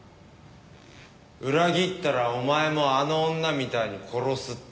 裏切ったらお前もあの女みたいに殺すって。